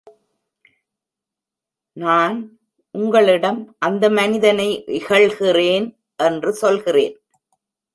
நான் உங்களிடம் அந்த மனிதனை இகழ்கிறேன் என்று சொல்கிறேன்.